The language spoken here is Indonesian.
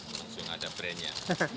maksudnya ada brand nya